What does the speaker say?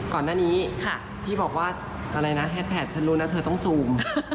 ก่อนหน้านี้ที่บอกว่าอะไรนะแฮดแท็กฉันรู้นะเธอต้องซูม